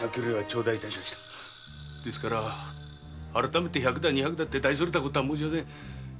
だから改めて百の二百のと大それたことは申しません。